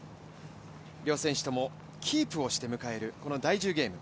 両選手ともキープをして迎える第１０ゲーム。